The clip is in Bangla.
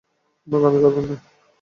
বোকামি করবেন না।